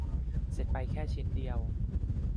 เสร็จไปแค่ชิ้นเดียว